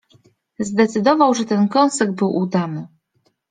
zdecydował, że ten kąsek był udany.